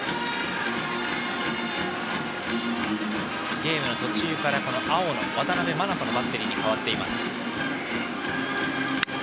ゲームの途中から青野、渡辺眞翔のバッテリーに変わっています。